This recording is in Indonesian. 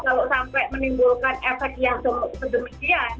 kalau sampai menimbulkan efek yang sedemikian